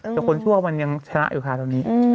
แต่คนชั่วมันยังชนะอยู่ค่ะตอนนี้